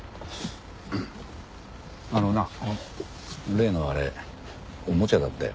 あのな例のあれおもちゃだったよ。